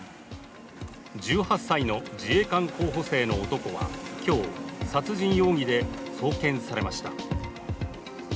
１８歳の自衛官候補生の男は、今日、殺人容疑で送検されました。